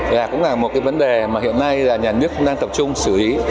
là cũng là một vấn đề mà hiện nay nhà nước cũng đang tập trung xử lý